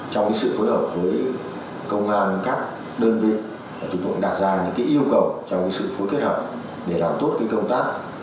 trong sự phối hợp với công an các đơn vị chúng tôi cũng đặt ra những yêu cầu trong sự phối kết hợp để làm tốt công tác